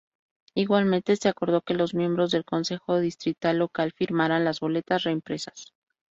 Igualmente, se acordó que los miembros del consejo distrital local firmaran las boletas reimpresas.